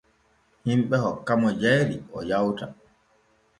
Himɓe hokkamo jayri o yawta.